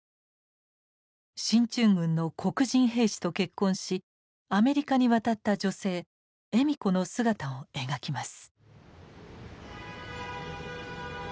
進駐軍の黒人兵士と結婚しアメリカに渡った女性笑子の姿を描きます。